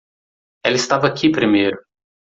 Ela estava aqui primeiro.